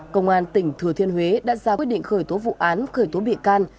công an tỉnh thừa thiên huế đã ra quyết định khởi tố vụ án khởi tố bị can